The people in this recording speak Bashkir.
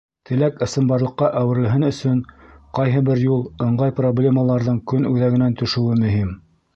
Теләк ысынбарлыҡҡа әүерелһен өсөн ҡайһы бер юл ыңғай проблемаларҙың көн үҙәгенән төшөүе мөһим.